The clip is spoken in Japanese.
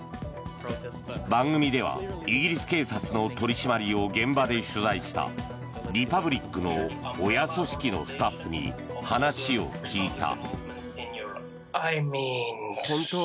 番組ではイギリス警察の取り締まりを現場で取材したリパブリックの親組織のスタッフに話を聞いた。